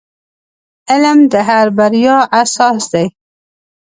• علم د هر بریا اساس دی.